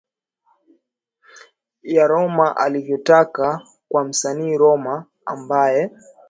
yao kama ilivyotokea kwa msanii Roma ambaye ametekwa na akaja kuachiwa katika mazingira ya